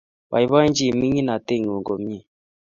Baibaichin miginatet ngung komnye.